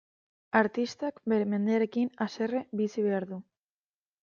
Artistak bere mendearekin haserre bizi behar du.